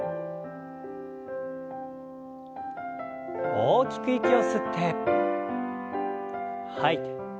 大きく息を吸って吐いて。